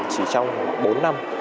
chỉ trong bốn năm